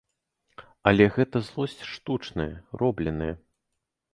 Але гэта злосць штучная, робленая.